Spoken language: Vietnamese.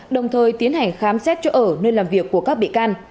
đồng thời tiến hành khám xét chỗ ở nơi làm việc của các bị can